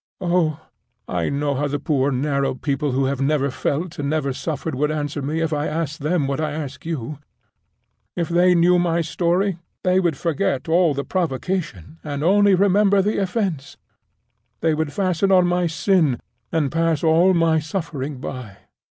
"Oh, I know how the poor narrow people who have never felt and never suffered would answer me if I asked them what I ask you. If they knew my story, they would forget all the provocation, and only remember the offense; they would fasten on my sin, and pass all my suffering by.